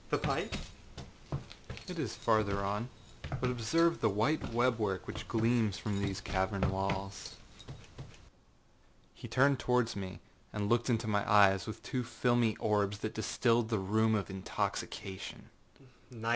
âThe pipe,â said he. âIt is farther on,â said I; âbut observe the white web work which gleams from these cavern walls.â He turned towards me, and looked into my eyes with two filmy orbs that distilled the rheum of intoxication. âNitre?